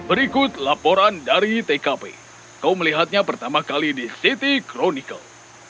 berikut laporan dari tkp kau melihatnya pertama kali di city chronical